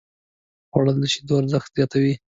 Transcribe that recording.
خوړل د شیدو ارزښت زیاتوي